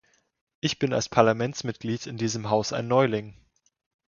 Ich bin als Parlamentsmitglied in diesem Haus ein Neuling.